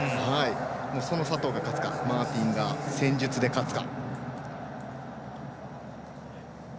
その佐藤が勝つかマーティンが戦術で勝つか。